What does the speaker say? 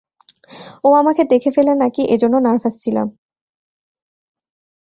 ও আমাকে দেখে ফেলে নাকি এজন্য নার্ভাস ছিলাম।